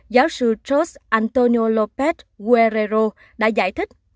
giáo sư george antonio lopez guerrero đã giải thích